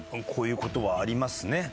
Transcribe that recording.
こういうことはありますね